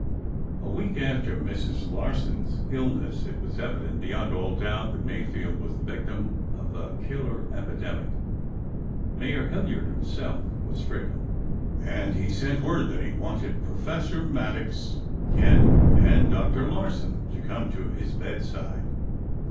A week after Mrs. Larsen's illness, it was evident beyond all doubt that Mayfield was the victim of a killer epidemic. Mayor Hilliard himself was stricken, and he sent word that he wanted Professor Maddox, Ken, and Dr. Larsen to come to his bedside.